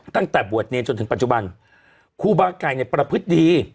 ตั้งแต่บวชเนรจนถึงปัจจุบันครูบาไก่เนี่ยประพฤติดี